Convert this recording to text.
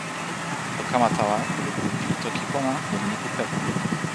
o kama tawa kulupu pi toki pona lon lipu Pepu.